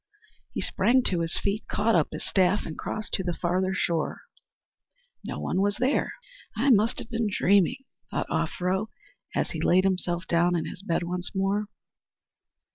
He sprang to his feet, caught up his staff, and crossed to the farther shore. No one was there. "I must have been dreaming," thought Offero as he laid himself down in his bed once more.